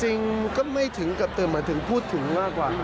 จริงก็ไม่ถึงกับเติมหมายถึงพูดถึงมากกว่า